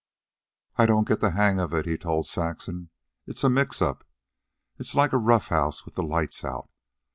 "I don't get the hang of it," he told Saxon. "It's a mix up. It's like a roughhouse with the lights out.